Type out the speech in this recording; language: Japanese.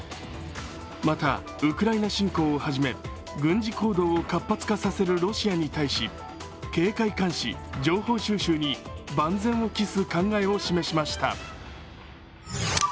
またウクライナ侵攻をはじめ軍事行動を活発化させるロシアに対し警戒監視、情報収集に万全を期す考えを示しました。